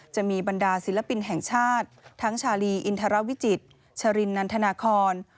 จะมีบรรดาศิลปินแห่งชาติทั้งชาลีอินทรวิจิตรชรินนันทนาคอน